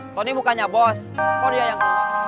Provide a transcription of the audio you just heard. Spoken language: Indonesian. tony mukanya bos kok dia yang